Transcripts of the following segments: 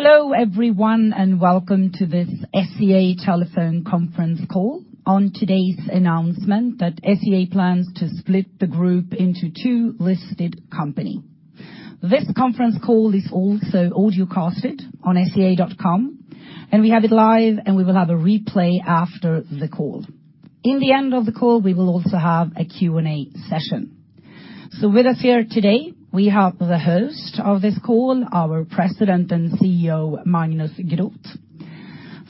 Hello, everyone, welcome to this SCA telephone conference call on today's announcement that SCA plans to split the group into two listed company. This conference call is also audiocasted on sca.com. We have it live. We will have a replay after the call. In the end of the call, we will also have a Q&A session. With us here today, we have the host of this call, our President and CEO, Magnus Groth.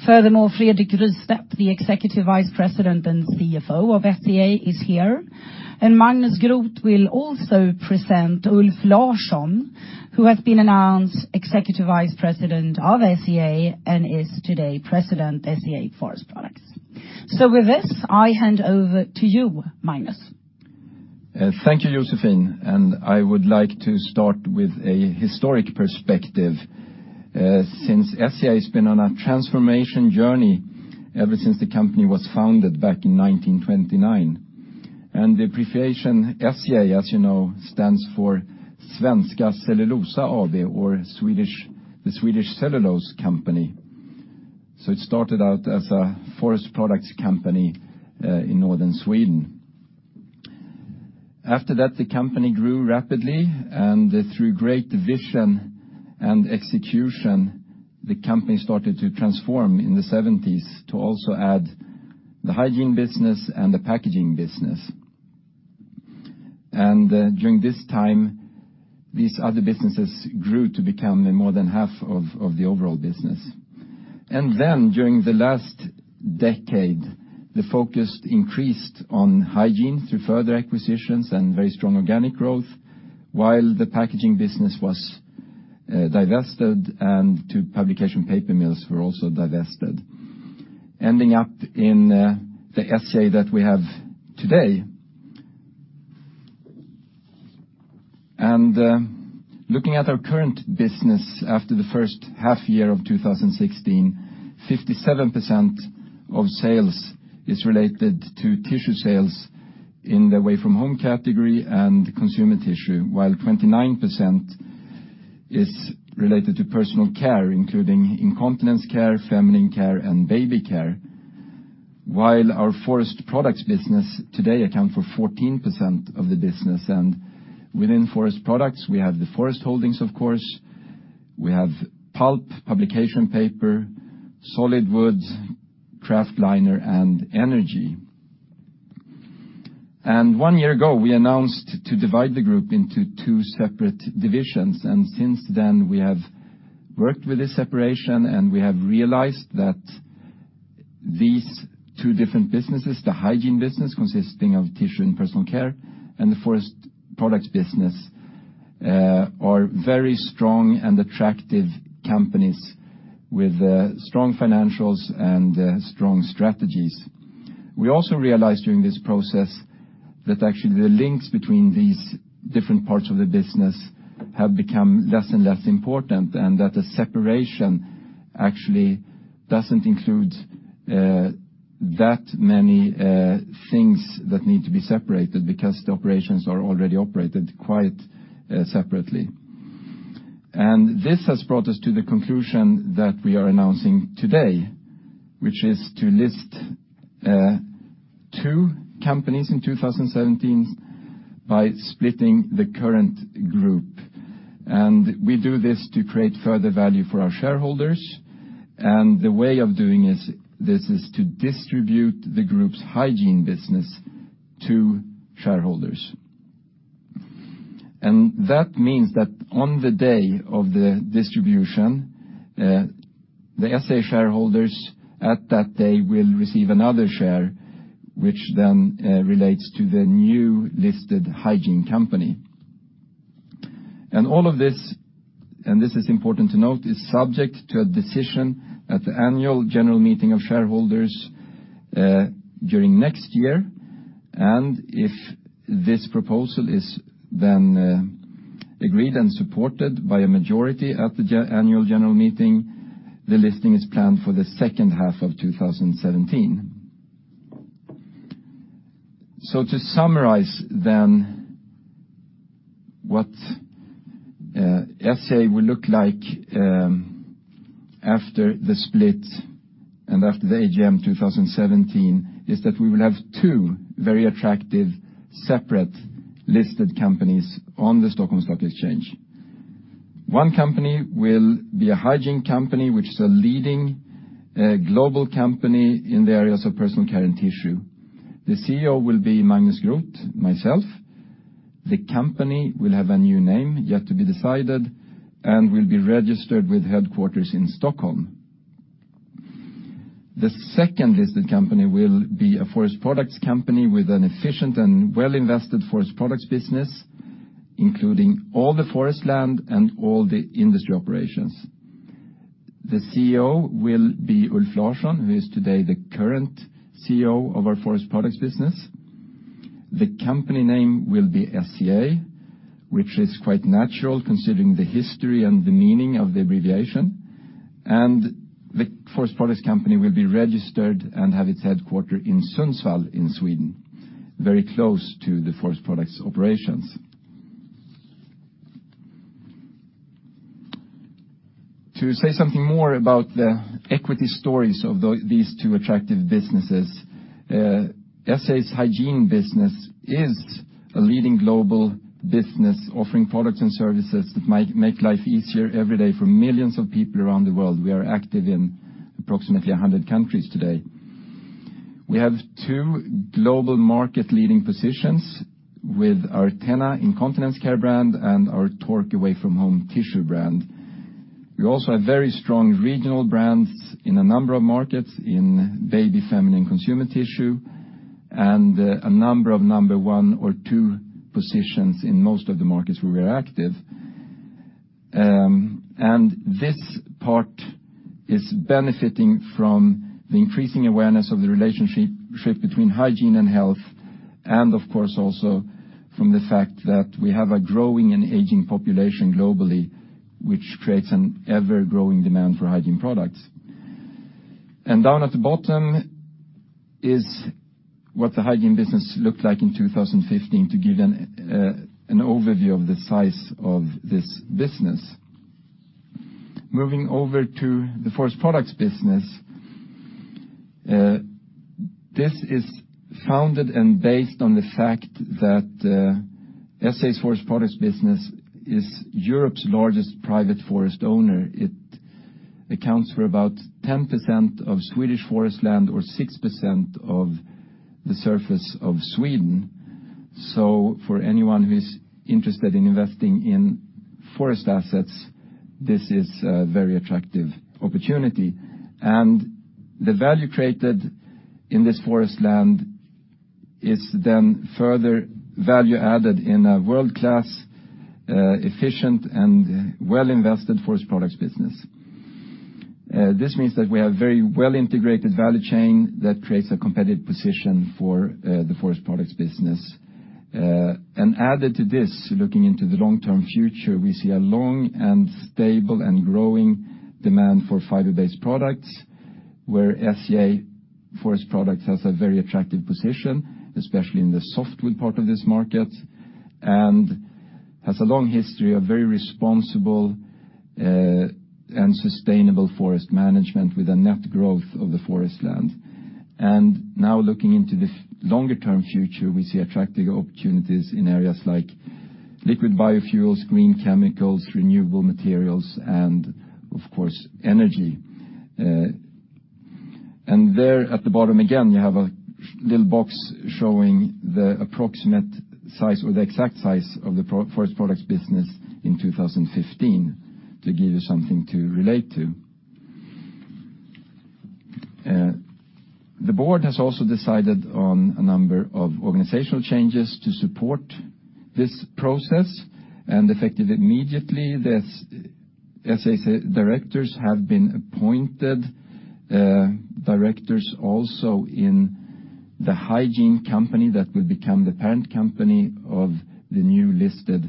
Furthermore, Fredrik Rystedt, the Executive Vice President and CFO of SCA is here. Magnus Groth will also present Ulf Larsson, who has been announced Executive Vice President of SCA and is today President, SCA Forest Products. With this, I hand over to you, Magnus. Thank you, Josefine. I would like to start with a historic perspective, since SCA has been on a transformation journey ever since the company was founded back in 1929. The abbreviation SCA, as you know, stands for Svenska Cellulosa AB or the Swedish Cellulose Company. It started out as a forest products company, in northern Sweden. After that, the company grew rapidly through great vision and execution. The company started to transform in the '70s to also add the hygiene business and the packaging business. During this time, these other businesses grew to become more than half of the overall business. Then during the last decade, the focus increased on hygiene through further acquisitions and very strong organic growth while the packaging business was divested and two publication paper mills were also divested, ending up in the SCA that we have today. Looking at our current business after the first half year of 2016, 57% of sales is related to tissue sales in the away-from-home category and consumer tissue, while 29% is related to personal care, including incontinence care, feminine care, and baby care, while our forest products business today account for 14% of the business. Within forest products, we have the forest holdings, of course, we have pulp, publication paper, solid wood, kraft liner, and energy. One year ago, we announced to divide the group into two separate divisions. Since then we have worked with this separation. We have realized that these two different businesses, the hygiene business consisting of tissue and personal care, and the forest products business, are very strong and attractive companies with strong financials and strong strategies. We also realized during this process that actually the links between these different parts of the business have become less and less important, that the separation actually doesn't include that many things that need to be separated because the operations are already operated quite separately. This has brought us to the conclusion that we are announcing today, which is to list two companies in 2017 by splitting the current group. We do this to create further value for our shareholders. The way of doing this is to distribute the group's hygiene business to shareholders. That means that on the day of the distribution, the SCA shareholders at that day will receive another share, which then relates to the new listed hygiene company. All of this, and this is important to note, is subject to a decision at the Annual General Meeting of shareholders during next year. If this proposal is then agreed and supported by a majority at the Annual General Meeting, the listing is planned for the second half of 2017. To summarize then, what SCA will look like after the split and after the AGM 2017 is that we will have two very attractive, separate listed companies on the Stockholm Stock Exchange. One company will be a hygiene company, which is a leading global company in the areas of personal care and tissue. The CEO will be Magnus Groth, myself. The company will have a new name yet to be decided and will be registered with headquarters in Stockholm. The second listed company will be a Forest Products company with an efficient and well invested Forest Products business, including all the forest land and all the industry operations. The CEO will be Ulf Larsson, who is today the current CEO of our Forest Products business. The company name will be SCA, which is quite natural considering the history and the meaning of the abbreviation. The Forest Products company will be registered and have its headquarter in Sundsvall in Sweden, very close to the Forest Products operations. To say something more about the equity stories of these two attractive businesses, SCA's hygiene business is a leading global business offering products and services that make life easier every day for millions of people around the world. We are active in approximately 100 countries today. We have two global market-leading positions with our TENA incontinence care brand and our Tork away-from-home tissue brand. We also have very strong regional brands in a number of markets in baby, feminine, consumer tissue, and a number of number 1 or 2 positions in most of the markets where we're active. This part is benefiting from the increasing awareness of the relationship between hygiene and health, and of course, also from the fact that we have a growing and aging population globally, which creates an ever-growing demand for hygiene products. Down at the bottom is what the hygiene business looked like in 2015 to give an overview of the size of this business. Moving over to the Forest Products business. This is founded and based on the fact that SCA's Forest Products business is Europe's largest private forest owner. It accounts for about 10% of Swedish forest land or 6% of the surface of Sweden. For anyone who is interested in investing in forest assets, this is a very attractive opportunity. The value created in this forest land is then further value added in a world-class, efficient, and well-invested Forest Products business. Added to this, looking into the long-term future, we see a long and stable and growing demand for fiber-based products, where SCA Forest Products has a very attractive position, especially in the softwood part of this market, and has a long history of very responsible and sustainable forest management with a net growth of the forest land. Now looking into the longer-term future, we see attractive opportunities in areas like liquid biofuels, green chemicals, renewable materials, and of course, energy. There at the bottom again, you have a little box showing the approximate size or the exact size of the forest products business in 2015 to give you something to relate to. The board has also decided on a number of organizational changes to support this process, effective immediately, the SCA directors have been appointed directors also in the hygiene company that will become the parent company of the new listed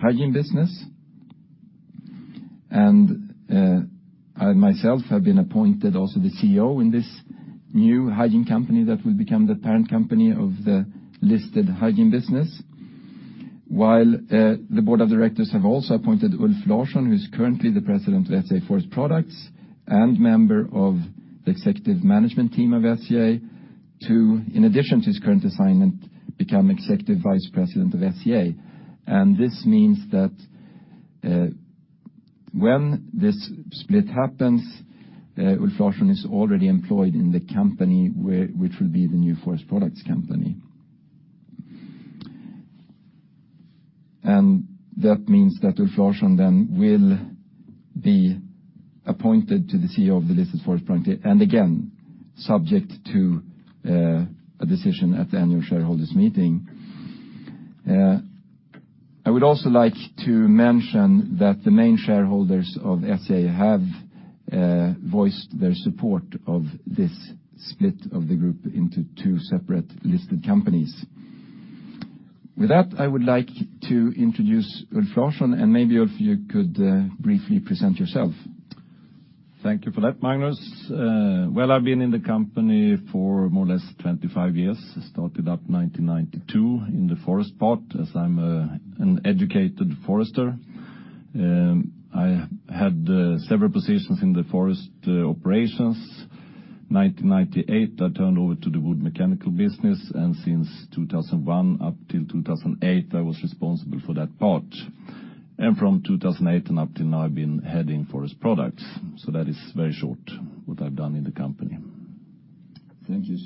hygiene business. I myself have been appointed also the CEO in this new hygiene company that will become the parent company of the listed hygiene business. The board of directors have also appointed Ulf Larsson, who's currently the President of SCA Forest Products and member of the executive management team of SCA to, in addition to his current assignment, become Executive Vice President of SCA. This means that when this split happens, Ulf Larsson is already employed in the company which will be the new forest products company. That means that Ulf Larsson then will be appointed to the CEO of the listed forest products, and again, subject to a decision at the annual shareholders meeting. I would also like to mention that the main shareholders of SCA have voiced their support of this split of the group into two separate listed companies. With that, I would like to introduce Ulf Larsson, and maybe Ulf, you could briefly present yourself. Thank you for that, Magnus. I've been in the company for more or less 25 years. I started out 1992 in the forest part, as I'm an educated forester. I had several positions in the forest operations. 1998, I turned over to the wood mechanical business, since 2001 up till 2008, I was responsible for that part. From 2008 and up till now, I've been heading forest products. That is very short what I've done in the company. Thank you.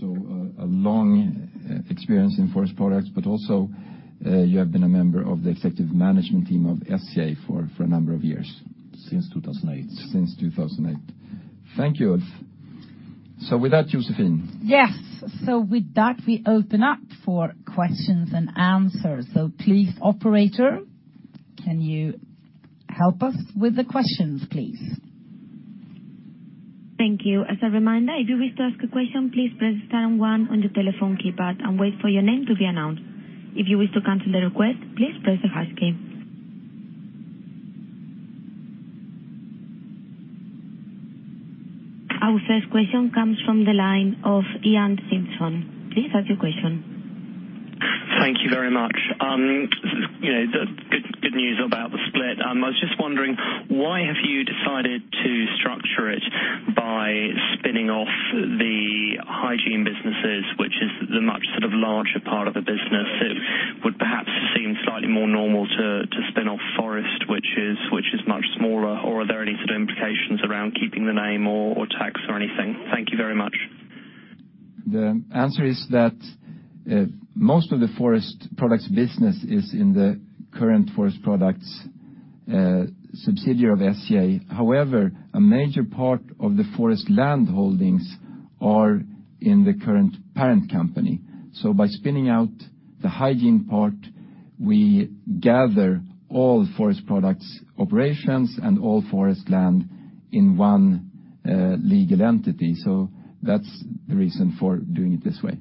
A long experience in forest products, also you have been a member of the executive management team of SCA for a number of years. Since 2008. Since 2008. Thank you, Ulf. With that, Josefine. Yes. With that, we open up for questions and answers. Please, operator, can you help us with the questions, please? Thank you. As a reminder, if you wish to ask a question, please press star one on your telephone keypad and wait for your name to be announced. If you wish to cancel the request, please press the hash key. Our first question comes from the line of Ian Simpson. Please ask your question. Thank you very much. Good news about the split. I was just wondering, why have you decided to structure it by spinning off the Hygiene businesses, which is the much larger part of the business? It would perhaps seem slightly more normal to spin off Forest, which is much smaller, or are there any sort of implications around keeping the name or tax or anything? Thank you very much. The answer is that most of the Forest Products business is in the current Forest Products subsidiary of SCA. However, a major part of the Forest land holdings are in the current parent company. By spinning out the Hygiene part, we gather all Forest Products operations and all Forest land in one legal entity. That's the reason for doing it this way.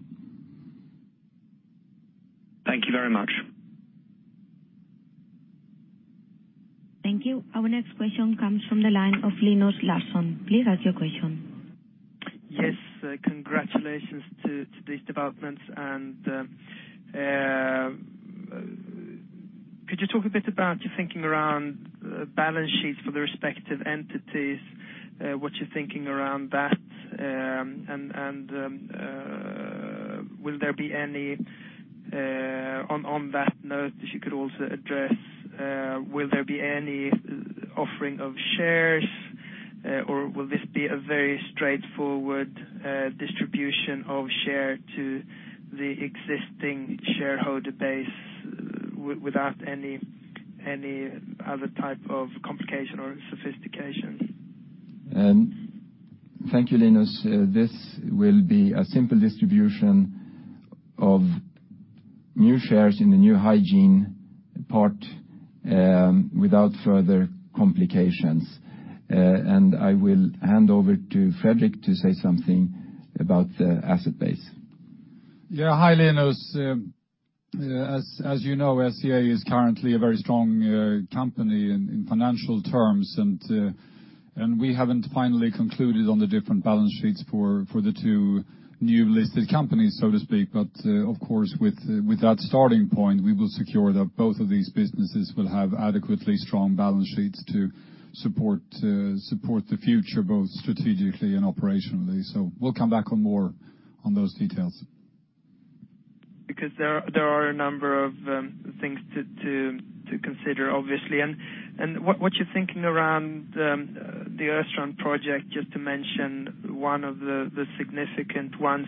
Thank you very much. Thank you. Our next question comes from the line of Linus Larsson. Please ask your question. Yes, congratulations to these developments. Could you talk a bit about your thinking around balance sheets for the respective entities, what you're thinking around that? On that note, if you could also address, will there be any offering of shares, or will this be a very straightforward distribution of share to the existing shareholder base without any other type of complication or sophistication? Thank you, Linus. This will be a simple distribution of new shares in the new Hygiene part without further complications. I will hand over to Fredrik to say something about the asset base. Yeah. Hi, Linus. As you know, SCA is currently a very strong company in financial terms. We haven't finally concluded on the different balance sheets for the two new listed companies, so to speak. Of course, with that starting point, we will secure that both of these businesses will have adequately strong balance sheets to support the future, both strategically and operationally. We'll come back with more on those details. Because there are a number of things to consider, obviously. What you're thinking around the Östrand project, just to mention one of the significant ones,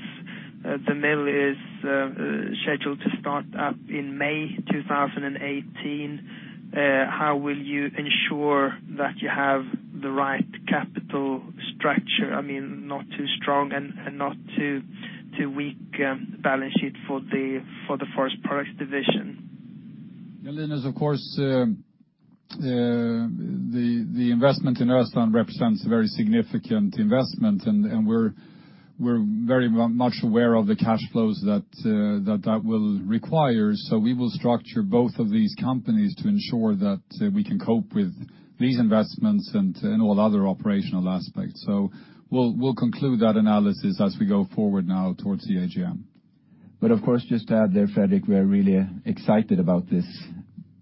the mill is scheduled to start up in May 2018. How will you ensure that you have the right capital structure? I mean, not too strong and not too weak a balance sheet for the Forest Products division. Linus, of course, the investment in Östrand represents a very significant investment, and we're very much aware of the cash flows that that will require. We will structure both of these companies to ensure that we can cope with these investments and all other operational aspects. We'll conclude that analysis as we go forward now towards the AGM. Of course, just to add there, Fredrik, we're really excited about this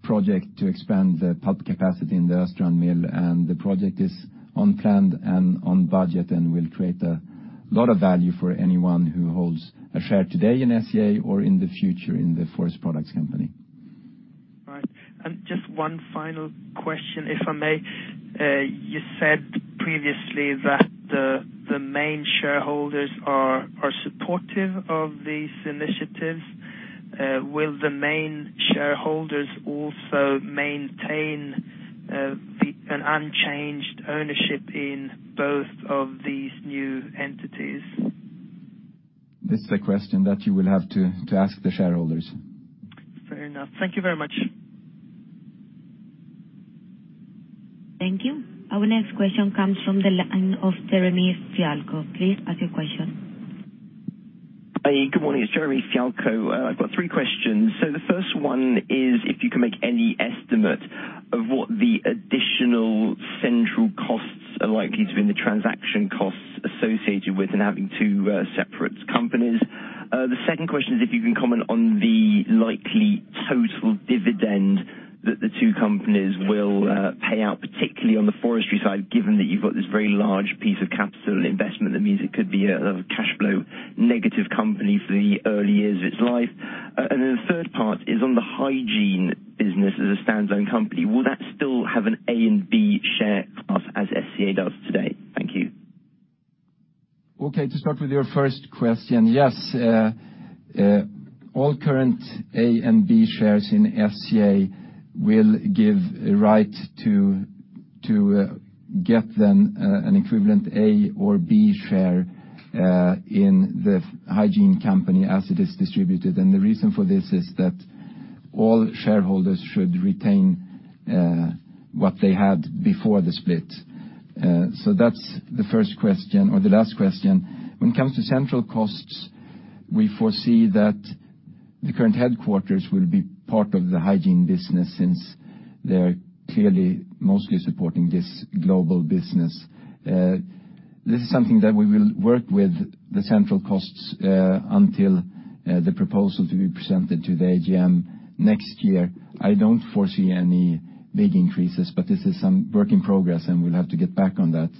project to expand the pulp capacity in the Östrand mill. The project is on plan and on budget and will create a lot of value for anyone who holds a share today in SCA or in the future in the Forest Products company. Right. Just one final question, if I may. You said previously that the main shareholders are supportive of these initiatives. Will the main shareholders also maintain an unchanged ownership in both of these new entities? This is a question that you will have to ask the shareholders. Fair enough. Thank you very much. Thank you. Our next question comes from the line of Jeremy Fialco. Please ask your question. Hi, good morning. It's Jeremy Fialco. I've got three questions. The first one is if you can make any estimate of what the additional central costs are likely to be in the transaction costs associated with in having two separate companies. The second question is if you can comment on the likely total dividend that the two companies will pay out, particularly on the forestry side, given that you've got this very large piece of capital investment, that means it could be a cash flow negative company for the early years of its life. The third part is on the hygiene business as a standalone company. Will that still have an A and B share class as SCA does today? Thank you. Okay, to start with your first question. Yes, all current A and B shares in SCA will give a right to get them an equivalent A or B share in the hygiene company as it is distributed. The reason for this is that all shareholders should retain what they had before the split. That's the first question or the last question. When it comes to central costs, we foresee that the current headquarters will be part of the hygiene business since they're clearly mostly supporting this global business. This is something that we will work with the central costs until the proposal to be presented to the AGM next year. I don't foresee any big increases, but this is some work in progress and we'll have to get back on that.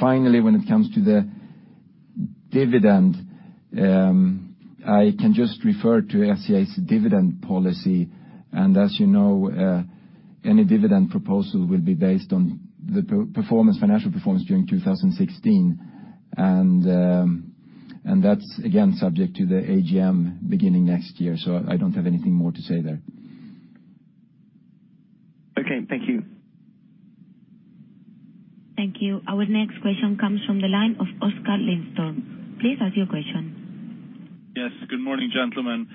Finally, when it comes to the dividend, I can just refer to SCA's dividend policy, and as you know, any dividend proposal will be based on the financial performance during 2016, and that's again, subject to the AGM beginning next year, so I don't have anything more to say there. Okay, thank you. Thank you. Our next question comes from the line of Oskar Lindström. Please ask your question. Yes, good morning, gentlemen.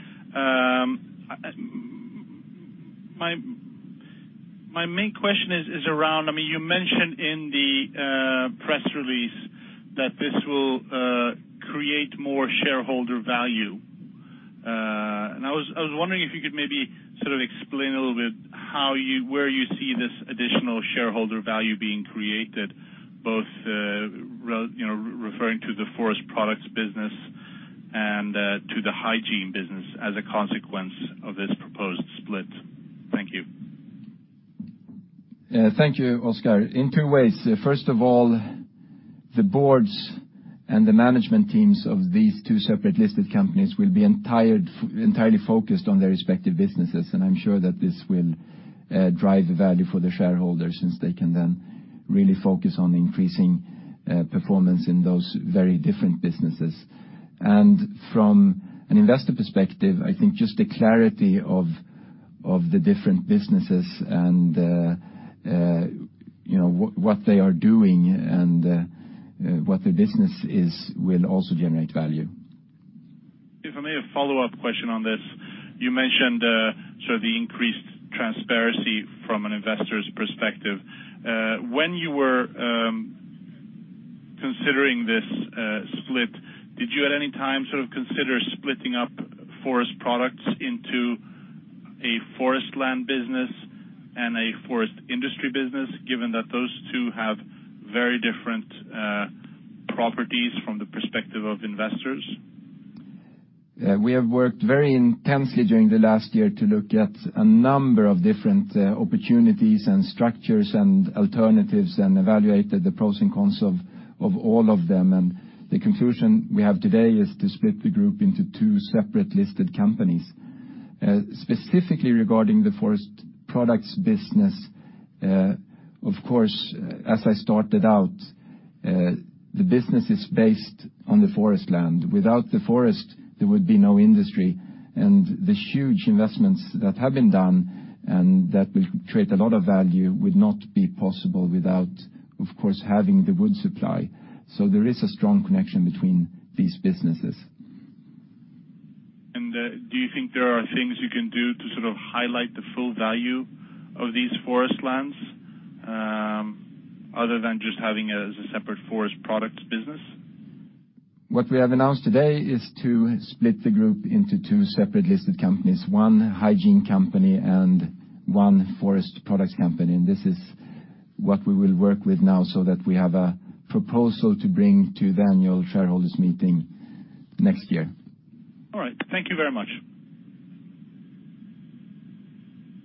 My main question is around, you mentioned in the press release that this will create more shareholder value. I was wondering if you could maybe explain a little bit where you see this additional shareholder value being created, both referring to the forest products business and to the hygiene business as a consequence of this proposed split. Thank you. Yeah, thank you, Oskar. In two ways. First of all, the boards and the management teams of these two separate listed companies will be entirely focused on their respective businesses. I'm sure that this will drive value for the shareholders since they can then really focus on increasing performance in those very different businesses. From an investor perspective, I think just the clarity of the different businesses and what they are doing and what their business is will also generate value. If I may, a follow-up question on this. You mentioned the increased transparency from an investor's perspective. When you were considering this split, did you at any time consider splitting up forest products into a forest land business and a forest industry business, given that those two have very different properties from the perspective of investors? We have worked very intensely during the last year to look at a number of different opportunities and structures and alternatives and evaluated the pros and cons of all of them. The conclusion we have today is to split the group into two separate listed companies. Specifically regarding the forest products business, of course, as I started out, the business is based on the forest land. Without the forest, there would be no industry, and the huge investments that have been done and that will create a lot of value would not be possible without, of course, having the wood supply. There is a strong connection between these businesses. Do you think there are things you can do to highlight the full value of these forest lands other than just having it as a separate forest products business? What we have announced today is to split the group into two separate listed companies, one hygiene company and one forest products company. This is what we will work with now so that we have a proposal to bring to the annual shareholders meeting next year. All right. Thank you very much.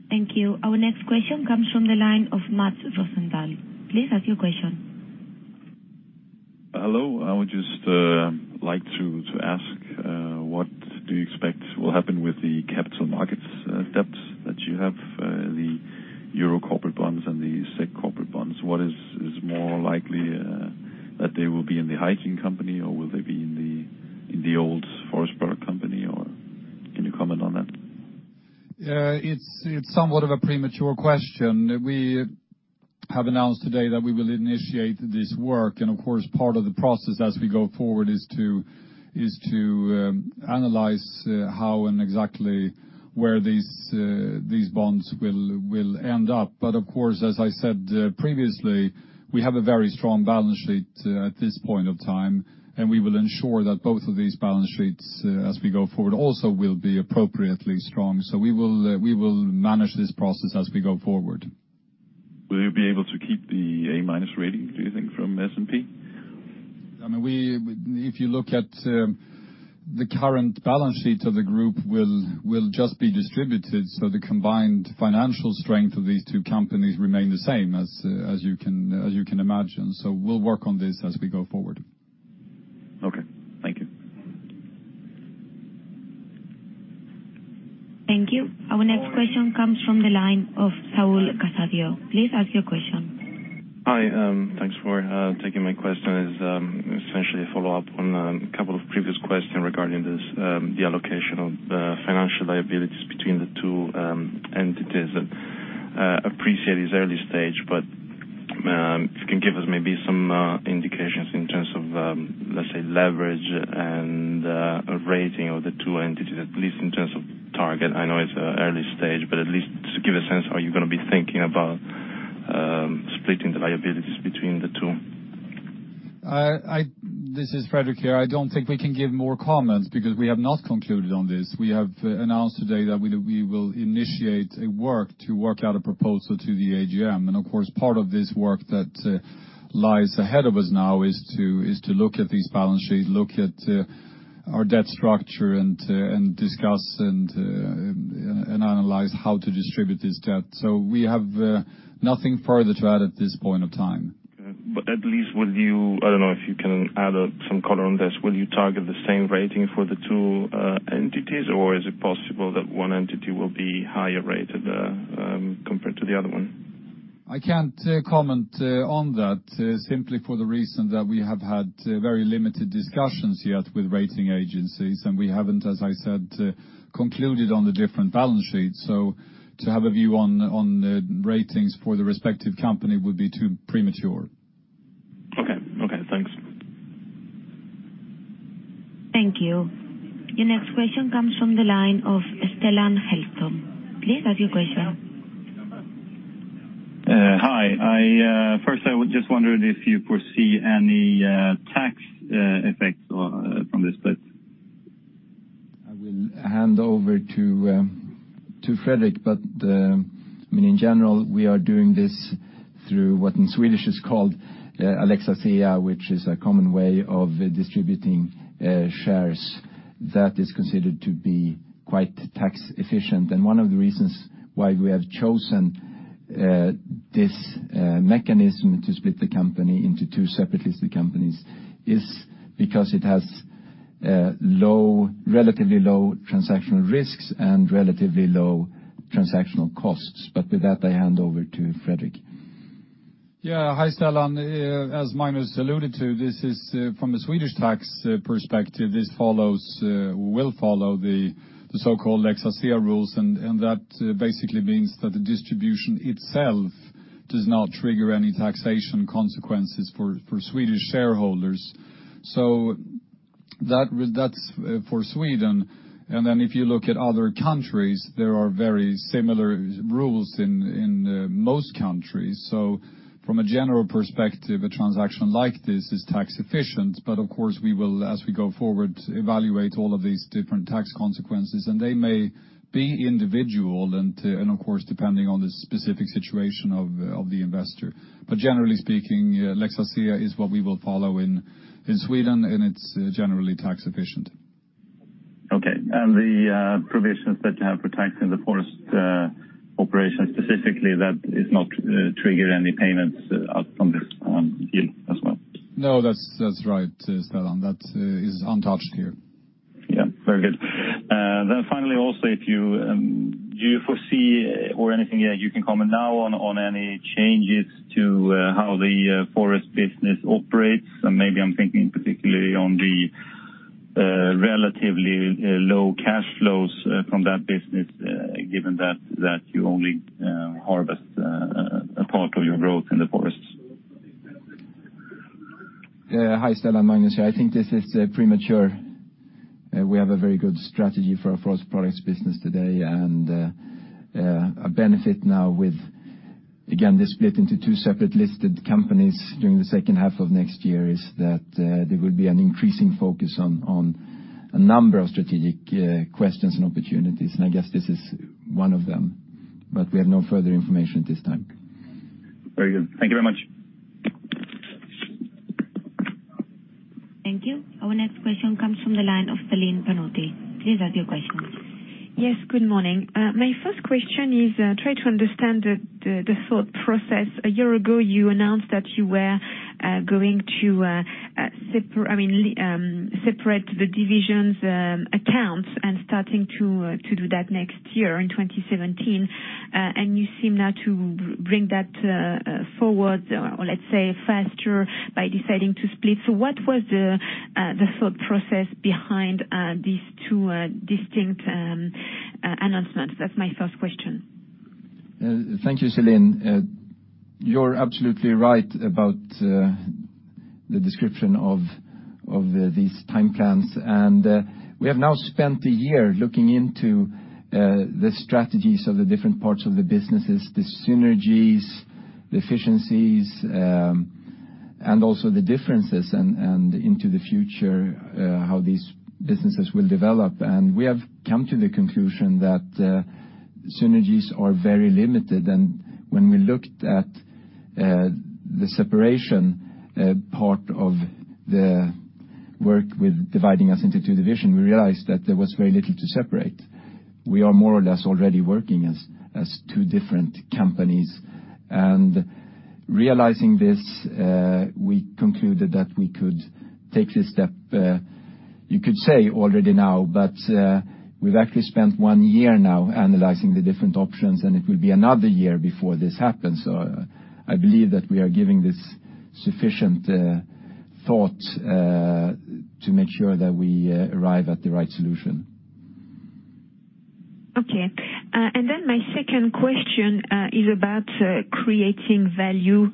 Thank you. Our next question comes from the line of Mats Rosendahl. Please ask your question. Hello. I would just like to ask, what do you expect will happen with the capital markets debt that you have, the EUR corporate bonds and the SEK corporate bonds? What is more likely, that they will be in the hygiene company or will they be in the old forest product company, or can you comment on that? It's somewhat of a premature question. We have announced today that we will initiate this work. Of course, part of the process as we go forward is to analyze how and exactly where these bonds will end up. Of course, as I said previously, we have a very strong balance sheet at this point of time. We will ensure that both of these balance sheets as we go forward also will be appropriately strong. We will manage this process as we go forward. Will you be able to keep the A-minus rating, do you think, from S&P? If you look at the current balance sheet of the group will just be distributed, the combined financial strength of these two companies remain the same as you can imagine. We'll work on this as we go forward. Okay. Thank you. Thank you. Our next question comes from the line of Saul Casadio. Please ask your question. Hi. Thanks for taking my question. It is essentially a follow-up on a couple of previous questions regarding the allocation of financial liabilities between the two entities. I appreciate it is early stage, if you can give us maybe some indications in terms of, let us say, leverage and rating of the two entities, at least in terms of target. I know it is early stage, at least give a sense are you going to be thinking about splitting the liabilities between the two? This is Fredrik here. I do not think we can give more comments because we have not concluded on this. We have announced today that we will initiate a work to work out a proposal to the AGM. Of course, part of this work that lies ahead of us now is to look at this balance sheet, look at our debt structure, and discuss and analyze how to distribute this debt. We have nothing further to add at this point in time. Okay. At least will you, I do not know if you can add some color on this, will you target the same rating for the two entities, or is it possible that one entity will be higher rated compared to the other one? I can't comment on that simply for the reason that we have had very limited discussions yet with rating agencies, and we haven't, as I said, concluded on the different balance sheets. To have a view on the ratings for the respective company would be too premature. Okay. Thanks. Thank you. Your next question comes from the line of Stellan Hellstrom. Please ask your question. Hi. First, I just wondered if you foresee any tax effects from the split. I will hand over to Fredrik, in general, we are doing this through what in Swedish is called Lex Asea, which is a common way of distributing shares that is considered to be quite tax efficient. One of the reasons why we have chosen this mechanism to split the company into two separately listed companies is because it has relatively low transactional risks and relatively low transactional costs. With that, I hand over to Fredrik. Hi, Stellan. As Magnus alluded to, from a Swedish tax perspective, this will follow the so-called Lex Asea rules, that basically means that the distribution itself does not trigger any taxation consequences for Swedish shareholders. That's for Sweden, if you look at other countries, there are very similar rules in most countries. From a general perspective, a transaction like this is tax efficient, of course, we will, as we go forward, evaluate all of these different tax consequences, they may be individual, of course, depending on the specific situation of the investor. Generally speaking, Lex Asea is what we will follow in Sweden, it's generally tax efficient. The provisions that you have for tax in the forest operations specifically, that does not trigger any payments out from this deal as well? No, that's right, Stellan. That is untouched here. Very good. Finally, also, do you foresee or anything you can comment now on any changes to how the forest business operates? Maybe I am thinking particularly on the relatively low cash flows from that business, given that you only harvest a part of your growth in the forests. Yeah. Hi, Stellan, Magnus here. I think this is premature. We have a very good strategy for our forest products business today. A benefit now with, again, the split into two separate listed companies during the second half of next year is that there will be an increasing focus on a number of strategic questions and opportunities, and I guess this is one of them. We have no further information at this time. Very good. Thank you very much. Thank you. Our next question comes from the line of Celine Pannuti. Please ask your question. Yes, good morning. My first question is try to understand the thought process. A year ago, you announced that you were going to separate the divisions accounts and starting to do that next year in 2017. You seem now to bring that forward, or let's say faster by deciding to split. What was the thought process behind these two distinct announcements? That's my first question. Thank you, Celine. You're absolutely right about the description of these time plans. We have now spent a year looking into the strategies of the different parts of the businesses, the synergies, the efficiencies, and also the differences and into the future how these businesses will develop. We have come to the conclusion that synergies are very limited. When we looked at the separation part of the work with dividing us into two divisions, we realized that there was very little to separate. We are more or less already working as two different companies. Realizing this, we concluded that we could take this step, you could say already now, but we've actually spent one year now analyzing the different options. It will be another year before this happens. I believe that we are giving this sufficient thought to make sure that we arrive at the right solution. Okay. My second question is about creating value,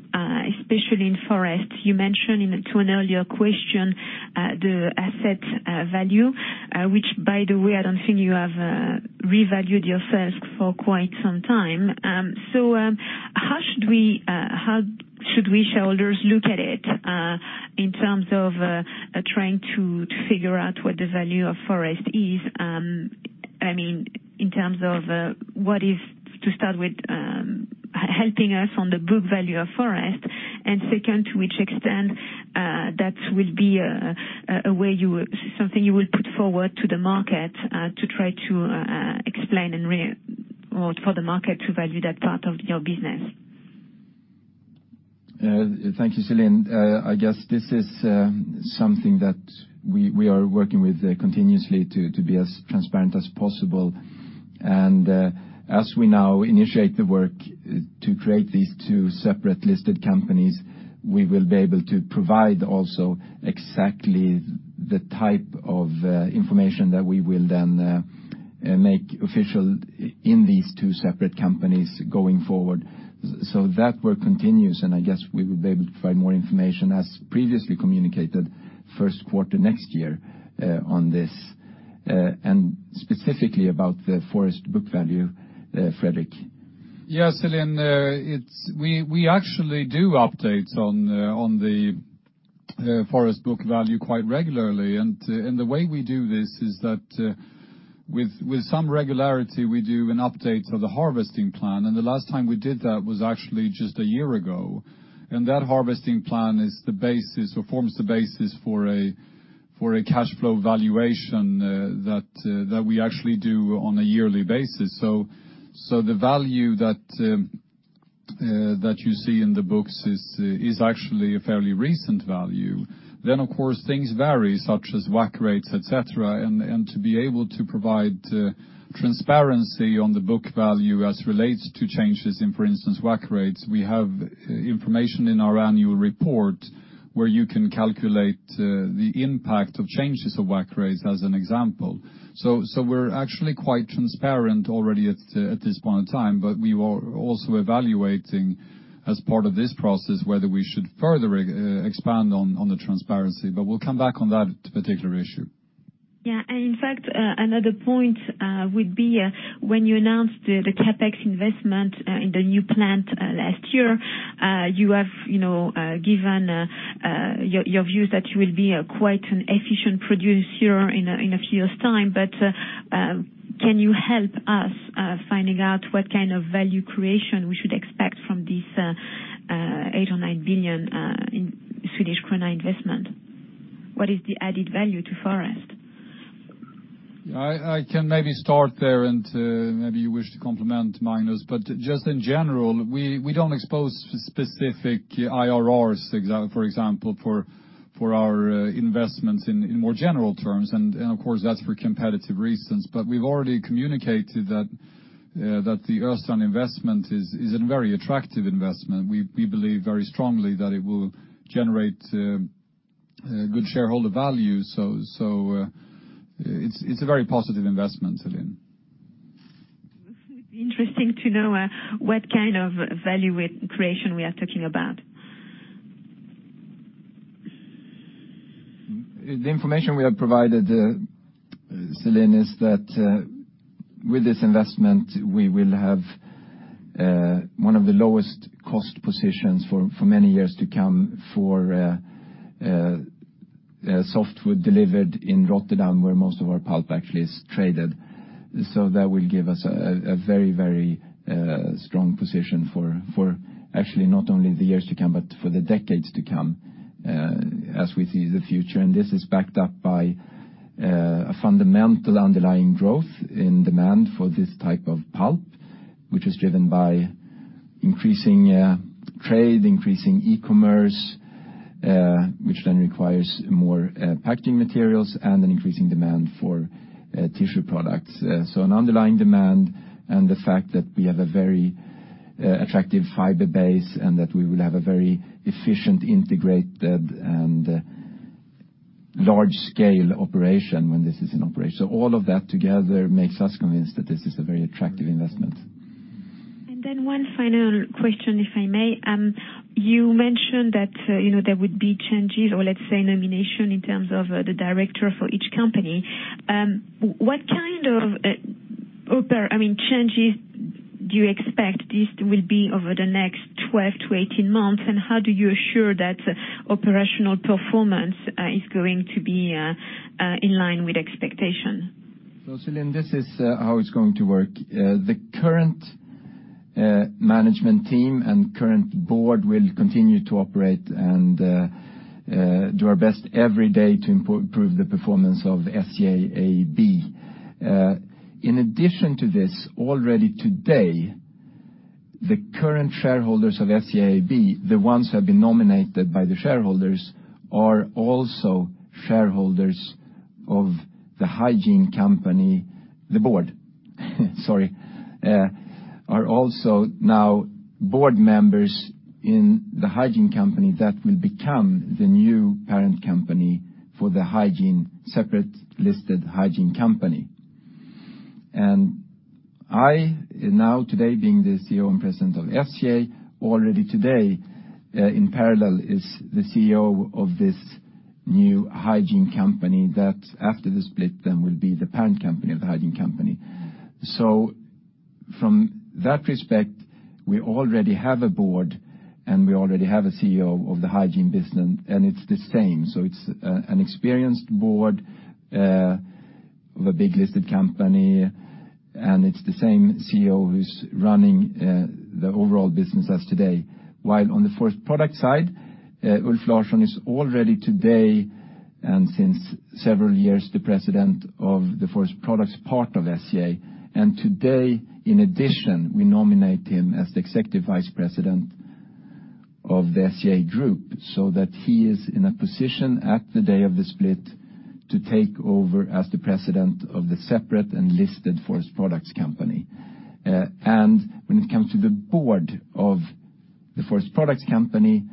especially in forest. You mentioned to an earlier question the asset value, which by the way, I don't think you have revalued your forest for quite some time. How should we shareholders look at it in terms of trying to figure out what the value of forest is? To start with, helping us on the book value of forest. Second, to which extent that will be something you will put forward to the market to try to explain and for the market to value that part of your business. Thank you, Celine. I guess this is something that we are working with continuously to be as transparent as possible. As we now initiate the work to create these two separate listed companies, we will be able to provide also exactly the type of information that we will then make official in these two separate companies going forward. That work continues, and I guess we will be able to provide more information, as previously communicated, first quarter next year on this, and specifically about the forest book value. Fredrik? Yes, Celine, we actually do updates on the forest book value quite regularly. The way we do this is that with some regularity, we do an update of the harvesting plan, and the last time we did that was actually just a year ago. That harvesting plan forms the basis for a cash flow valuation that we actually do on a yearly basis. The value that you see in the books is actually a fairly recent value. Of course things vary, such as WACC rates, et cetera, and to be able to provide transparency on the book value as relates to changes in, for instance, WACC rates, we have information in our annual report where you can calculate the impact of changes of WACC rates, as an example. We're actually quite transparent already at this point in time. We are also evaluating, as part of this process, whether we should further expand on the transparency. We'll come back on that particular issue. Yeah. In fact, another point would be when you announced the CapEx investment in the new plant last year, you have given your views that you will be quite an efficient producer in a few years' time, but can you help us finding out what kind of value creation we should expect from this 8 billion or 9 billion investment? What is the added value to forest? I can maybe start there, maybe you wish to complement mine. Just in general, we don't expose specific IRRs, for example, for our investments in more general terms. Of course, that's for competitive reasons. We've already communicated that the Östrand investment is a very attractive investment. We believe very strongly that it will generate good shareholder value. It's a very positive investment, Celine. It would be interesting to know what kind of value creation we are talking about. The information we have provided, Celine, is that with this investment, we will have one of the lowest cost positions for many years to come for softwood delivered in Rotterdam, where most of our pulp actually is traded. That will give us a very strong position for actually not only the years to come, but for the decades to come as we see the future. This is backed up by a fundamental underlying growth in demand for this type of pulp, which is driven by increasing trade, increasing e-commerce, which then requires more packing materials, and an increasing demand for tissue products. An underlying demand, and the fact that we have a very attractive fiber base, and that we will have a very efficient, integrated, and large-scale operation when this is in operation. All of that together makes us convinced that this is a very attractive investment. One final question, if I may. You mentioned that there would be changes, or let's say nomination, in terms of the director for each company. What kind of changes do you expect this will be over the next 12 to 18 months, and how do you assure that operational performance is going to be in line with expectation? Celine, this is how it's going to work. The current management team and current board will continue to operate and do our best every day to improve the performance of SCA AB. In addition to this, already today, the current shareholders of SCA AB, the ones who have been nominated by the shareholders, are also now board members in the hygiene company that will become the new parent company for the separate listed hygiene company. I now today, being the CEO and President of SCA, already today in parallel is the CEO of this New hygiene company that after the split then will be the parent company of the hygiene company. From that respect, we already have a board, and we already have a CEO of the hygiene business, and it's the same. It's an experienced board of a big listed company, and it's the same CEO who's running the overall business as today. While on the Forest Product side, Ulf Larsson is already today, and since several years, the President of the Forest Products part of SCA. Today, in addition, we nominate him as the Executive Vice President of the SCA Group, so that he is in a position at the day of the split to take over as the President of the separate and listed Forest Products company. When it comes to the board of the Forest Products company,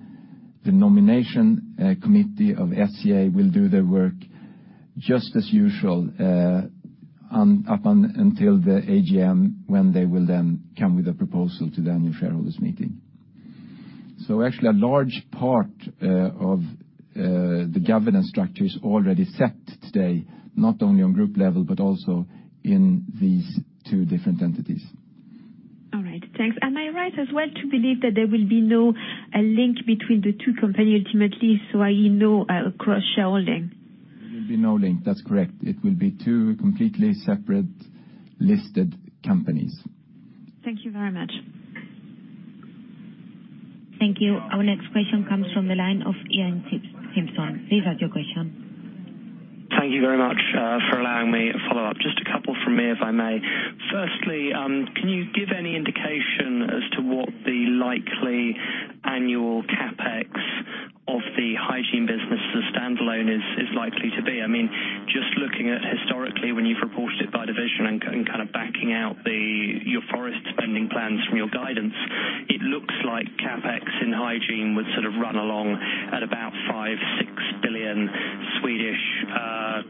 the nomination committee of SCA will do their work just as usual until the AGM, when they will then come with a proposal to the annual shareholders meeting. Actually a large part of the governance structure is already set today, not only on group level, but also in these two different entities. All right. Thanks. Am I right as well to believe that there will be no link between the two company ultimately, so i.e., no cross-shareholding? There will be no link. That's correct. It will be two completely separate listed companies. Thank you very much. Thank you. Our next question comes from the line of Ian Simpson. Please ask your question. Thank you very much for allowing me a follow-up. Just a couple from me, if I may. Firstly, can you give any indication as to what the likely annual CapEx of the hygiene business as a standalone is likely to be? Just looking at historically when you've reported it by division and backing out your forest spending plans from your guidance, it looks like CapEx in hygiene would run along at about 5 billion or 6 billion Swedish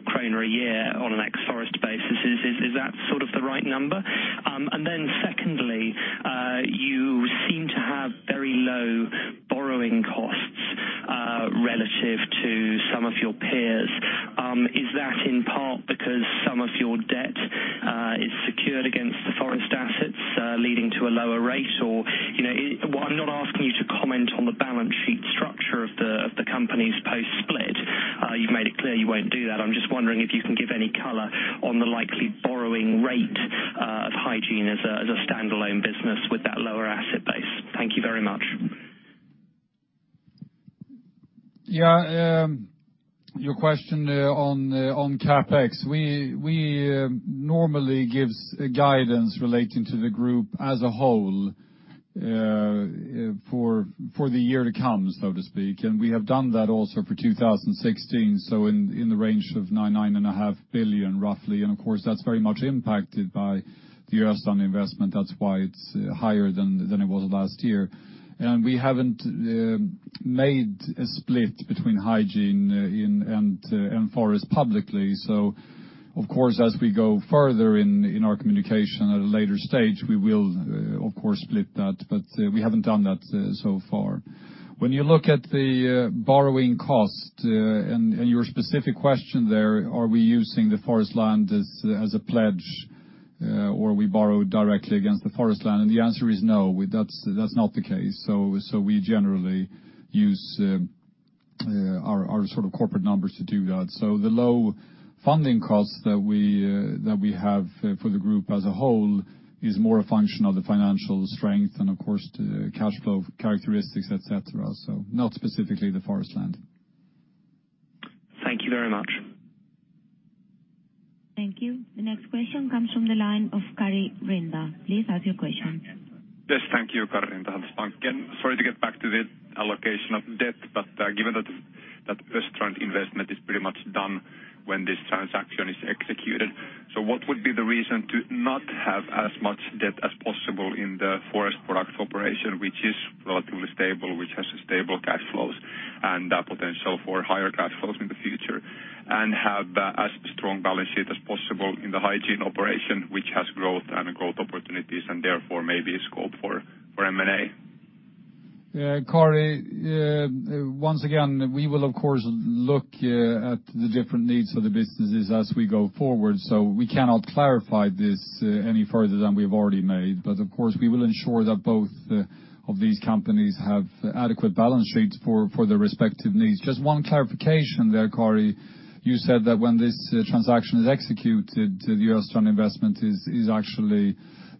kronor a year on an ex forest basis. Is that the right number? Secondly, you seem to have very low borrowing costs relative to some of your peers. Is that in part because some of your debt is secured against the forest assets, leading to a lower rate? I'm not asking you to comment on the balance sheet structure of the companies post-split. You've made it clear you won't do that. I'm just wondering if you can give any color on the likely borrowing rate of hygiene as a standalone business with that lower asset base. Thank you very much. Your question on CapEx, we normally give guidance relating to the group as a whole for the year to come, so to speak, and we have done that also for 2016, so in the range of 9 billion-9.5 billion roughly. Of course, that's very much impacted by the Östrand investment. That's why it's higher than it was last year. We haven't made a split between hygiene and forest publicly. Of course, as we go further in our communication at a later stage, we will of course split that, but we haven't done that so far. When you look at the borrowing cost and your specific question there, are we using the forest land as a pledge or we borrow directly against the forest land? The answer is no, that's not the case. We generally use our corporate numbers to do that. The low funding costs that we have for the group as a whole is more a function of the financial strength and of course the cash flow characteristics, et cetera. Not specifically the forest land. Thank you very much. Thank you. The next question comes from the line of Kari Rynda. Please ask your question. Yes, thank you. Kari Rynda, Handelsbanken. Sorry to get back to the allocation of debt, given that Östrand investment is pretty much done when this transaction is executed, what would be the reason to not have as much debt as possible in the Forest Products operation, which is relatively stable, which has stable cash flows and a potential for higher cash flows in the future, and have as strong balance sheet as possible in the Hygiene operation, which has growth and growth opportunities and therefore maybe is scope for M&A? Yeah, Kari, once again, we will of course look at the different needs of the businesses as we go forward. We cannot clarify this any further than we've already made. Of course, we will ensure that both of these companies have adequate balance sheets for their respective needs. Just one clarification there, Kari. You said that when this transaction is executed, the Östrand investment is actually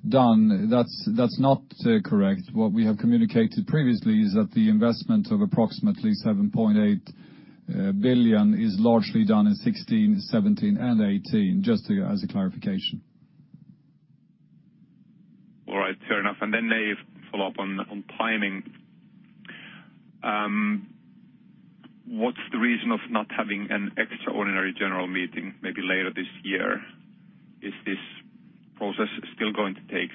done. That's not correct. What we have communicated previously is that the investment of approximately 7.8 billion is largely done in 2016, 2017, and 2018, just as a clarification. All right. Fair enough. A follow-up on timing. What's the reason of not having an extraordinary general meeting maybe later this year? Is this process still going to take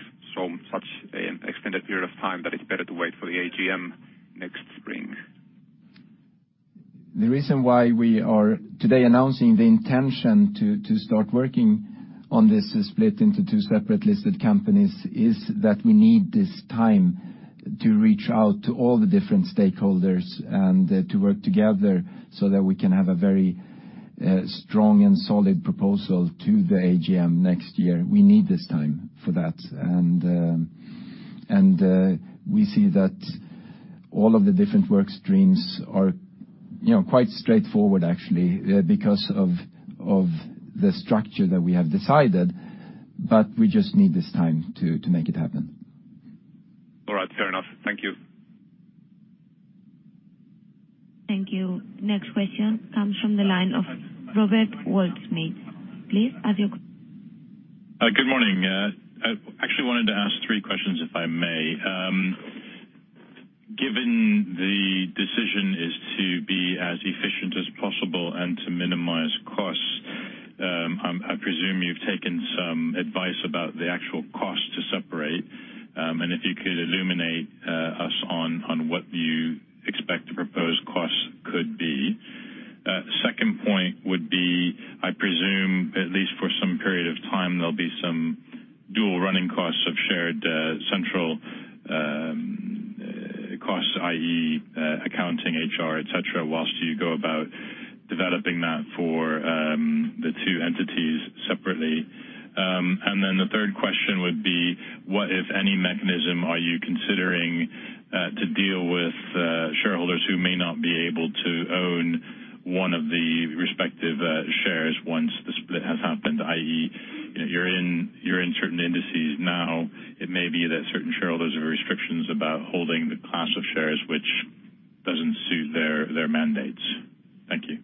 such an extended period of time that it's better to wait for the AGM next spring? The reason why we are today announcing the intention to start working on this split into two separate listed companies is that we need this time to reach out to all the different stakeholders and to work together so that we can have a very A strong and solid proposal to the AGM next year. We need this time for that. We see that all of the different work streams are quite straightforward actually, because of the structure that we have decided, but we just need this time to make it happen. All right. Fair enough. Thank you. Thank you. Next question comes from the line of Robert Goldsmith. Please ask. Good morning. I actually wanted to ask three questions, if I may. Given the decision is to be as efficient as possible and to minimize costs, I presume you've taken some advice about the actual cost to separate. If you could illuminate us on what you expect the proposed costs could be. Second point would be, I presume at least for some period of time, there'll be some dual running costs of shared central costs, i.e., accounting, HR, et cetera, whilst you go about developing that for the two entities separately. The third question would be, what, if any, mechanism are you considering to deal with shareholders who may not be able to own one of the respective shares once the split has happened? I.e., you're in certain indices now, it may be that certain shareholders have restrictions about holding the class of shares which doesn't suit their mandates. Thank you.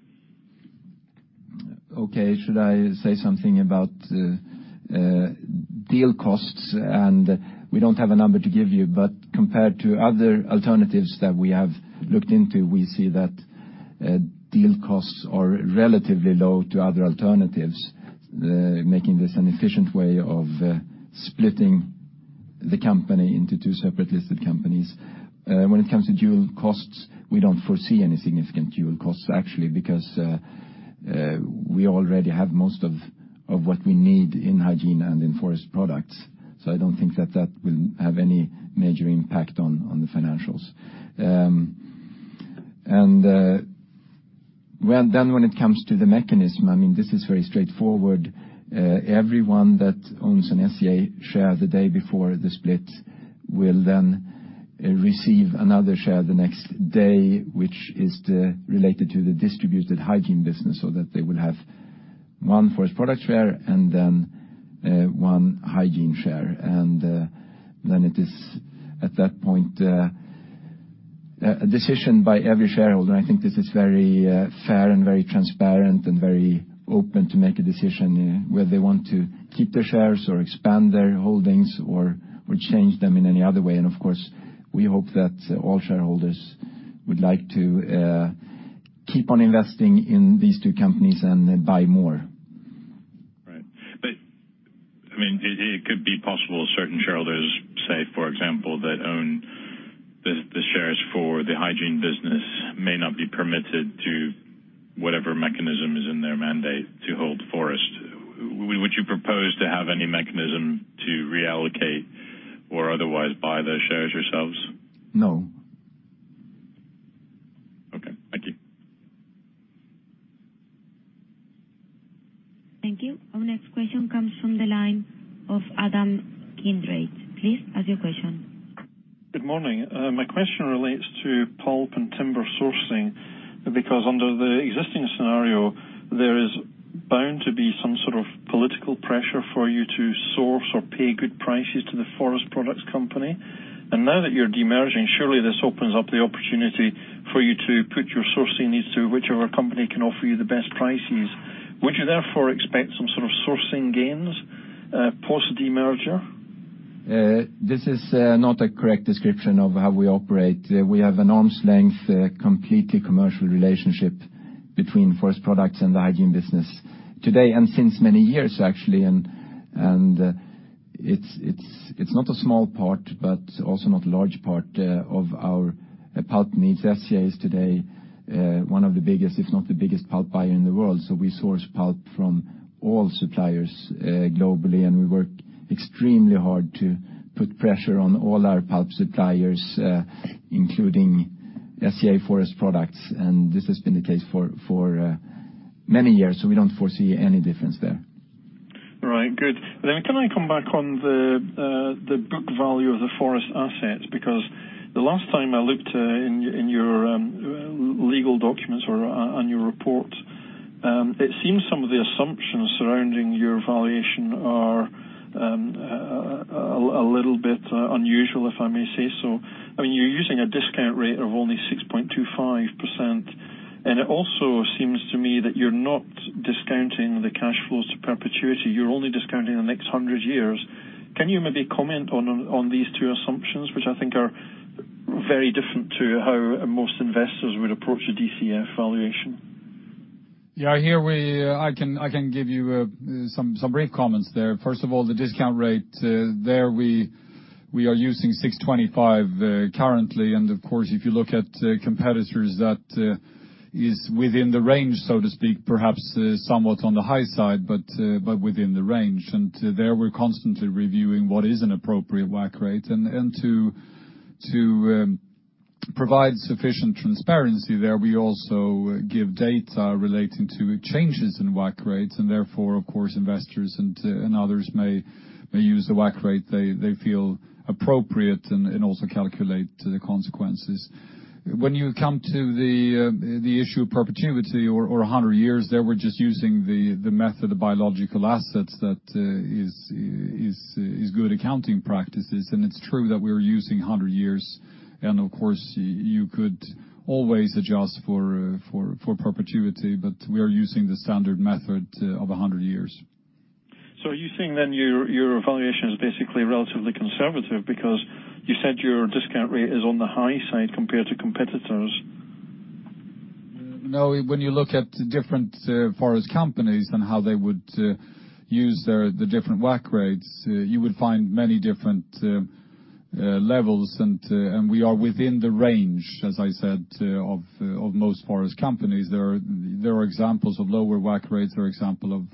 Okay. Should I say something about deal costs? We don't have a number to give you, but compared to other alternatives that we have looked into, we see that deal costs are relatively low to other alternatives, making this an efficient way of splitting the company into two separate listed companies. When it comes to dual costs, we don't foresee any significant dual costs actually, because we already have most of what we need in Hygiene and in Forest Products. I don't think that that will have any major impact on the financials. When it comes to the mechanism, this is very straightforward. Everyone that owns an SCA share the day before the split will then receive another share the next day, which is related to the distributed Hygiene business, so that they will have one Forest Products share and then one Hygiene share. Then it is, at that point, a decision by every shareholder. I think this is very fair and very transparent and very open to make a decision whether they want to keep their shares or expand their holdings or change them in any other way. Of course, we hope that all shareholders would like to keep on investing in these two companies and buy more. Right. It could be possible certain shareholders, say, for example, that own the shares for the hygiene business may not be permitted to whatever mechanism is in their mandate to hold forest. Would you propose to have any mechanism to reallocate or otherwise buy those shares yourselves? No. Okay. Thank you. Thank you. Our next question comes from the line of Adam Kindrate. Please ask your question. Good morning. My question relates to pulp and timber sourcing, because under the existing scenario, there is bound to be some sort of political pressure for you to source or pay good prices to the forest products company. Now that you're de-merging, surely this opens up the opportunity for you to put your sourcing needs to whichever company can offer you the best prices. Would you therefore expect some sort of sourcing gains post de-merger? This is not a correct description of how we operate. We have an arm's length, completely commercial relationship between forest products and the hygiene business today and since many years actually. It's not a small part, but also not a large part of our pulp needs. SCA is today one of the biggest, if not the biggest pulp buyer in the world. We source pulp from all suppliers globally, and we work extremely hard to put pressure on all our pulp suppliers, including SCA Forest Products. This has been the case for many years, so we don't foresee any difference there. Right. Good. Can I come back on the book value of the forest assets? The last time I looked in your legal documents or on your report, it seems some of the assumptions surrounding your valuation are a little bit unusual, if I may say so. You're using a discount rate of only 6.25%. It also seems to me that you're not discounting the cash flows to perpetuity. You're only discounting the next 100 years. Can you maybe comment on these two assumptions, which I think are very different to how most investors would approach a DCF valuation? Yeah. I can give you some brief comments there. First of all, the discount rate, there we are using 625 currently. Of course, if you look at competitors that is within the range, so to speak, perhaps somewhat on the high side, but within the range. There we're constantly reviewing what is an appropriate WACC rate. Provide sufficient transparency there. We also give data relating to changes in WACC rates. Therefore, of course, investors and others may use the WACC rate they feel appropriate and also calculate the consequences. You come to the issue of perpetuity or 100 years there, we're just using the method of biological assets that is good accounting practices. It's true that we're using 100 years. Of course, you could always adjust for perpetuity, but we are using the standard method of 100 years. Are you saying then your evaluation is basically relatively conservative because you said your discount rate is on the high side compared to competitors? When you look at different forest companies and how they would use the different WACC rates, you would find many different levels. We are within the range, as I said, of most forest companies. There are examples of lower WACC rates, for example,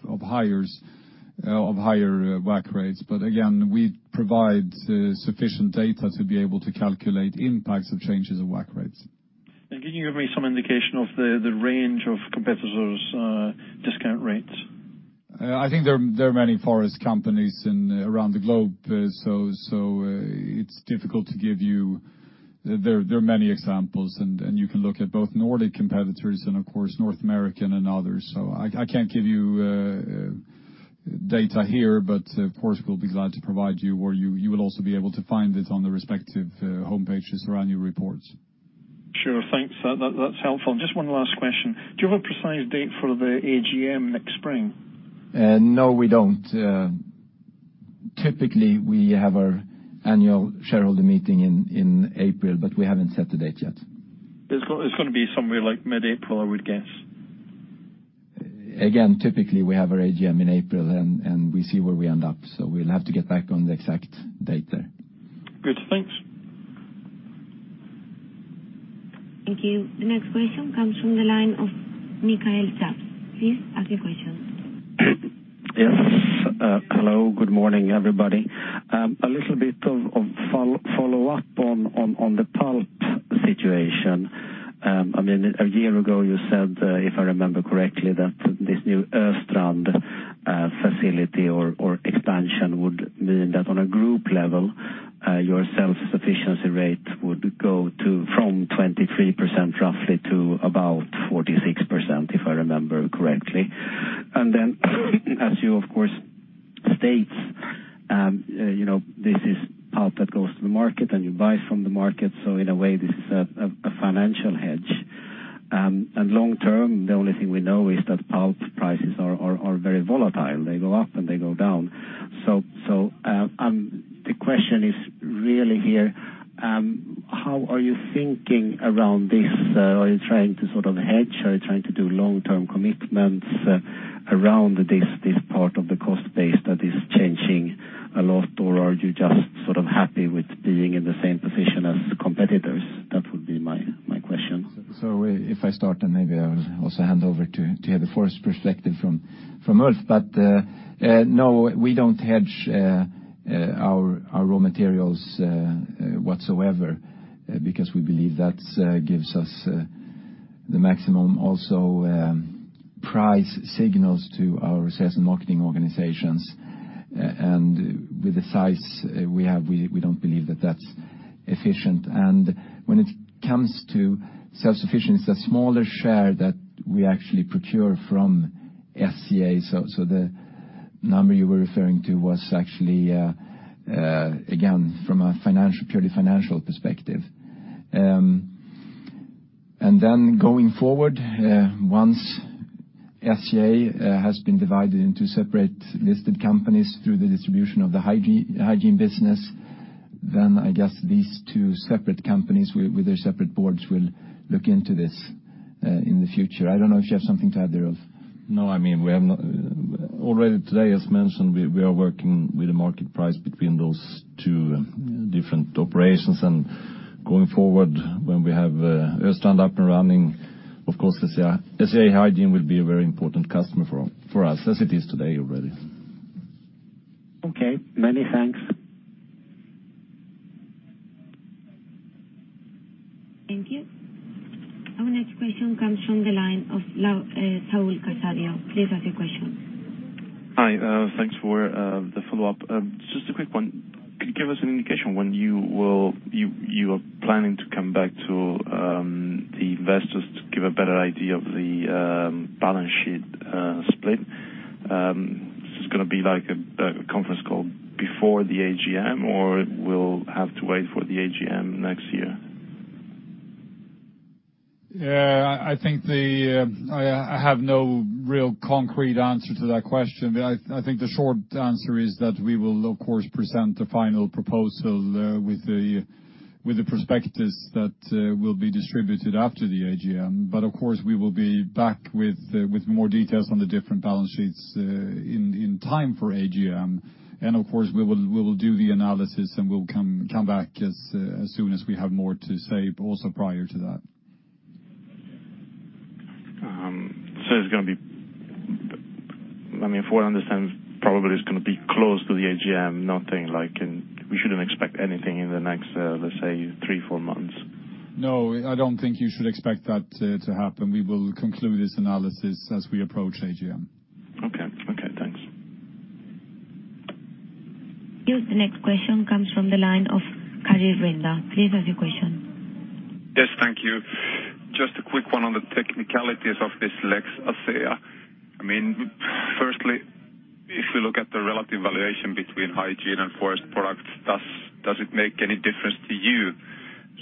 of higher WACC rates. Again, we provide sufficient data to be able to calculate impacts of changes of WACC rates. Can you give me some indication of the range of competitors' discount rates? I think there are many forest companies around the globe, so it's difficult to give you There are many examples, and you can look at both Nordic competitors and of course North American and others. I can't give you data here, but of course, we'll be glad to provide you, or you will also be able to find it on the respective homepages around your reports. Sure, thanks. That's helpful. Just one last question. Do you have a precise date for the AGM next spring? No, we don't. Typically, we have our annual shareholder meeting in April, we haven't set the date yet. It's going to be somewhere like mid-April, I would guess. We have our AGM in April, and we see where we end up. We will have to get back on the exact date there. Good, thanks. Thank you. The next question comes from the line of Mikael Zaps. Please ask your question. Yes. Hello. Good morning, everybody. A little bit of follow-up on the pulp situation. A year ago you said, if I remember correctly, that this new Östrand facility or expansion would mean that on a group level, your self-sufficiency rate would go from 23% roughly to about 46%, if I remember correctly. Then as you of course state, this is pulp that goes to the market, and you buy from the market, so in a way, this is a financial hedge. Long term, the only thing we know is that pulp prices are very volatile. They go up, and they go down. The question is really here, how are you thinking around this? Are you trying to sort of hedge? Are you trying to do long-term commitments around this part of the cost base that is changing a lot, or are you just sort of happy with being in the same position as competitors? That would be my question. If I start, maybe I will also hand over to hear the forest perspective from Ulf. No, we don't hedge our raw materials whatsoever because we believe that gives us the maximum also price signals to our sales and marketing organizations. With the size we have, we don't believe that that's efficient. When it comes to self-sufficiency, it's a smaller share that we actually procure from SCA. The number you were referring to was actually, again, from a purely financial perspective. Going forward, once SCA has been divided into separate listed companies through the distribution of the hygiene business, then I guess these two separate companies with their separate boards will look into this in the future. I don't know if you have something to add there, Ulf. No, already today, as mentioned, we are working with the market price between those two different operations. Going forward, when we have Östrand up and running, of course, SCA Hygiene will be a very important customer for us, as it is today already. Okay, many thanks. Thank you. Our next question comes from the line of Saul Casadio. Please ask your question. Hi. Thanks for the follow-up. Just a quick one. Could you give us an indication when you are planning to come back to the investors to give a better idea of the balance sheet split? Is this going to be like a conference call before the AGM, or we'll have to wait for the AGM next year? I have no real concrete answer to that question. I think the short answer is that we will of course present the final proposal with the prospectus that will be distributed after the AGM. Of course, we will be back with more details on the different balance sheets in time for AGM. Of course, we will do the analysis, and we'll come back as soon as we have more to say, but also prior to that. It's going to be, if what I understand, probably it's going to be close to the AGM, we shouldn't expect anything in the next, let's say three, four months. No, I don't think you should expect that to happen. We will conclude this analysis as we approach AGM. Okay. Thanks. The next question comes from the line of Kari Rynda. Please ask your question. Yes, thank you. Just a quick one on the technicalities of this Lex Asea. Firstly, if we look at the relative valuation between SCA Hygiene and SCA Forest Products, does it make any difference to you?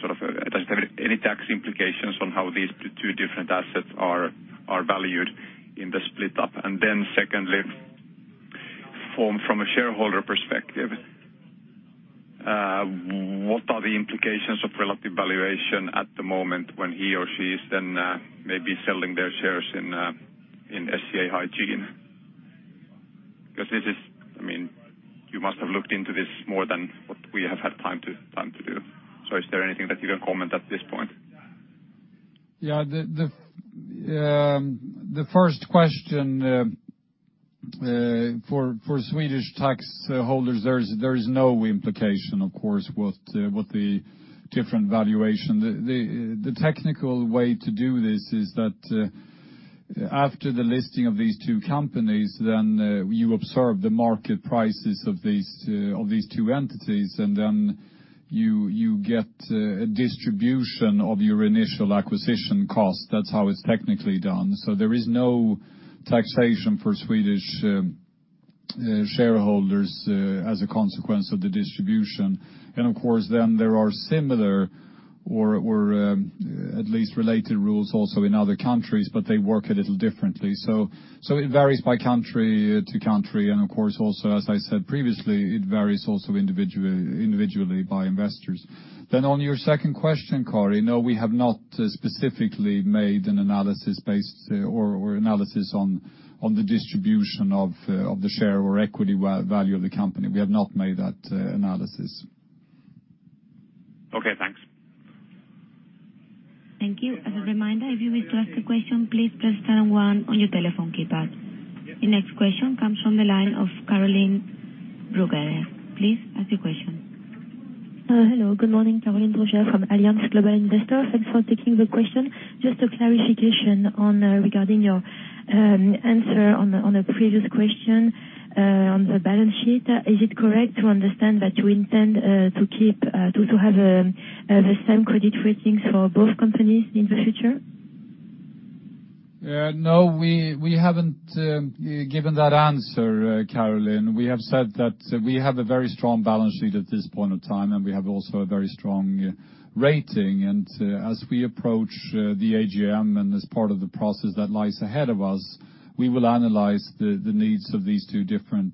Does it have any tax implications on how these two different assets are valued in the split up? Secondly, from a shareholder perspective, what are the implications of relative valuation at the moment when he or she is then maybe selling their shares in SCA Hygiene? Because you must have looked into this more than what we have had time to do. Is there anything that you can comment at this point? Yeah. The first question, for Swedish tax holders, there is no implication, of course, with the different valuation. The technical way to do this is that after the listing of these two companies, you observe the market prices of these two entities, you get a distribution of your initial acquisition cost. That's how it's technically done. There is no taxation for Swedish shareholders as a consequence of the distribution. Of course, there are similar or at least related rules also in other countries, they work a little differently. It varies by country to country, as I said previously, it varies also individually by investors. On your second question, Kari, no, we have not specifically made an analysis based or analysis on the distribution of the share or equity value of the company. We have not made that analysis. Okay, thanks. Thank you. As a reminder, if you wish to ask a question, please press star one on your telephone keypad. The next question comes from the line of Caroline Brugère. Please ask your question. Hello. Good morning. Caroline Brugère from Allianz Global Investors. Thanks for taking the question. Just a clarification regarding your answer on a previous question on the balance sheet. Is it correct to understand that you intend to have the same credit ratings for both companies in the future? No, we haven't given that answer, Caroline. We have said that we have a very strong balance sheet at this point of time, and we have also a very strong rating. As we approach the AGM, and as part of the process that lies ahead of us, we will analyze the needs of these two different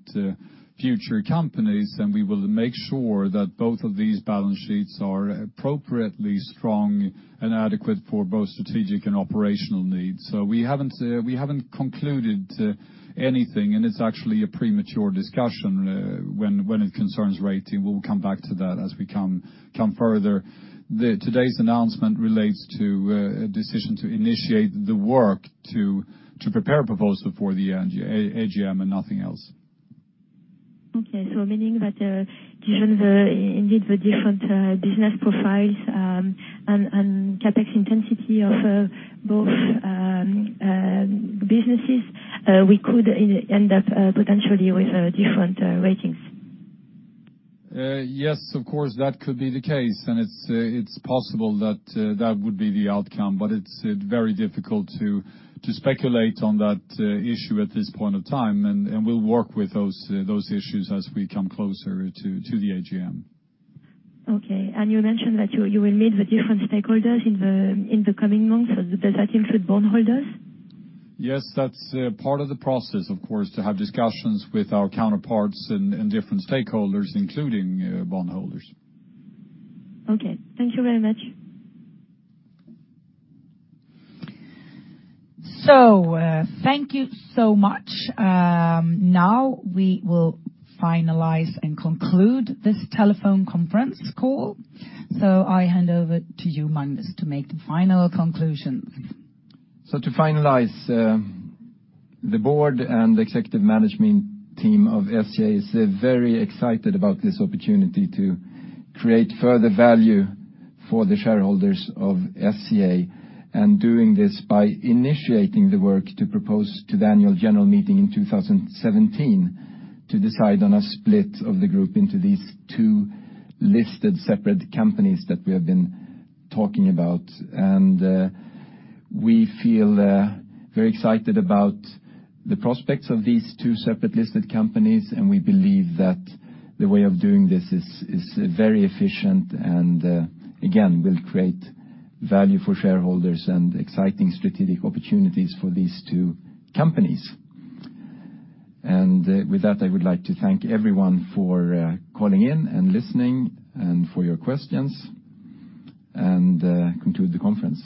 future companies, and we will make sure that both of these balance sheets are appropriately strong and adequate for both strategic and operational needs. We haven't concluded anything, and it's actually a premature discussion when it concerns rating. We'll come back to that as we come further. Today's announcement relates to a decision to initiate the work to prepare a proposal for the AGM and nothing else. Okay. Meaning that given the different business profiles, and CapEx intensity of both businesses, we could end up potentially with different ratings. Yes, of course, that could be the case, and it's possible that would be the outcome, but it's very difficult to speculate on that issue at this point of time, and we'll work with those issues as we come closer to the AGM. Okay. You mentioned that you will meet the different stakeholders in the coming months. Does that include bondholders? Yes, that's part of the process, of course, to have discussions with our counterparts and different stakeholders, including bondholders. Okay. Thank you very much. Thank you so much. Now we will finalize and conclude this telephone conference call. I hand over to you, Magnus, to make the final conclusion. To finalize, the board and executive management team of SCA is very excited about this opportunity to create further value for the shareholders of SCA, doing this by initiating the work to propose to the annual general meeting in 2017 to decide on a split of the group into these two listed separate companies that we have been talking about. We feel very excited about the prospects of these two separate listed companies, we believe that the way of doing this is very efficient and, again, will create value for shareholders and exciting strategic opportunities for these two companies. With that, I would like to thank everyone for calling in and listening and for your questions, and conclude the conference.